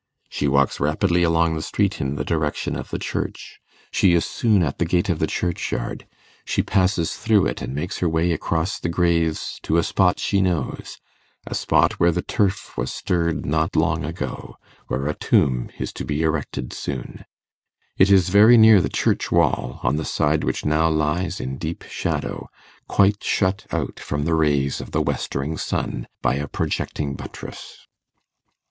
She walks rapidly along the street in the direction of the church. She is soon at the gate of the churchyard; she passes through it, and makes her way across the graves to a spot she knows a spot where the turf was stirred not long ago, where a tomb is to be erected soon. It is very near the church wall, on the side which now lies in deep shadow, quite shut out from the rays of the westering sun by a projecting buttress.